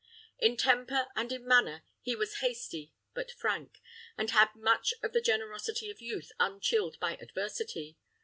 In temper and in manner he was hasty but frank, and had much of the generosity of youth unchilled by adversity.